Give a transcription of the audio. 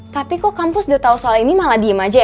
tapi kok kampus udah tau soal ini malah diem aja ya